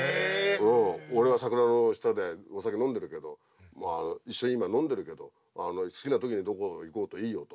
「俺は桜の下でお酒飲んでるけどまあ一緒に今飲んでるけど好きな時にどこ行こうといいよ」と。